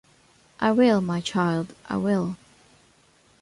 I will, my child, I will.